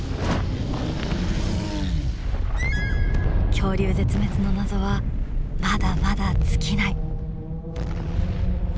恐竜絶滅の謎はまだまだ尽きない。